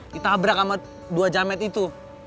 ditabrak sama dua jamet itu